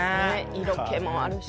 色気もあるし。